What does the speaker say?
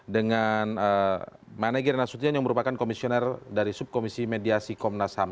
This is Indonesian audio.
dengan manegir nasution yang merupakan komisioner dari subkomisi mediasi komnas ham